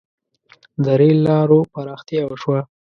• د رېل لارو پراختیا وشوه.